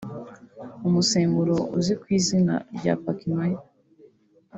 imusemburo uzwi ku izina rya Pakmaya